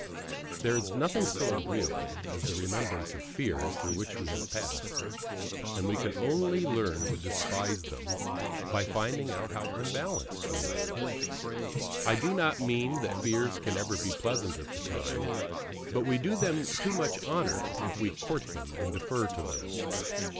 There is nothing so agreeable as the remembrance of fears through which we have passed; and we can only learn to despise them by finding out how unbalanced they were. I do not mean that fears can ever be pleasant at the time, but we do them too much honour if we court them and defer to them.